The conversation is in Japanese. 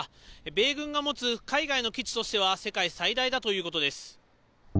米軍が持つ海外の基地としては、世界最大だということです。